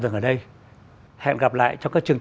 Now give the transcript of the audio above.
dừng ở đây hẹn gặp lại cho các chương